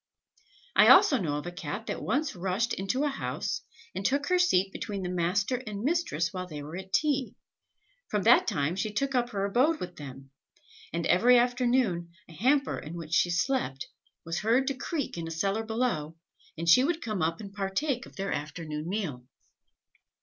I also know of a Cat that once rushed into a house, and took her seat between the master and mistress while they were at tea; from that time she took up her abode with them, and every afternoon a hamper in which she slept, was heard to creak in a cellar below, and she would come up and partake of their afternoon meal.